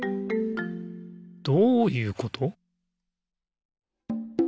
どういうこと？